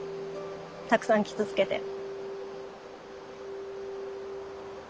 たくさん傷つけて。